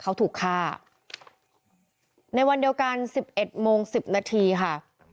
เขาถูกฆ่าในวันเดียวกันสิบเอ็ดโมงสิบนาทีค่ะ